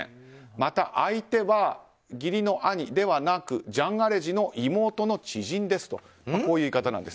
また、相手は義理の兄ではなくジャン・アレジの妹の知人ですとこういう言い方なんです。